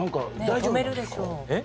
止めるでしょう？